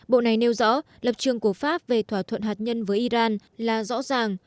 bộ này nêu rõ lập trường của pháp về thỏa thuận hạt nhân với iran là rõ ràng